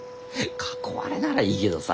囲われならいいけどさ。